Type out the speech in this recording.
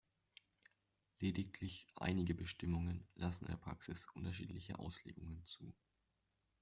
Lediglich einige Bestimmungen lassen in der Praxis unterschiedliche Auslegungen zu.